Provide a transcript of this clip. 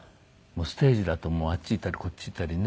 ステージだとあっち行ったりこっち行ったりね。